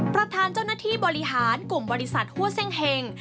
ประธานเจ้าหน้าที่บริหารกลุ่มบริษัทหัวเซ่งเฮง